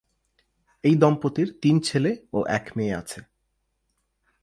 এই দম্পতির তিন ছেলে ও এক মেয়ে আছে।